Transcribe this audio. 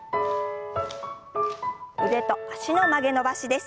腕と脚の曲げ伸ばしです。